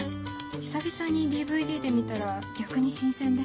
久々にＤＶＤで見たら逆に新鮮で。